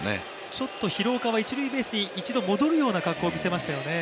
ちょっと廣岡は一塁ベースに戻るような姿も見せましたよね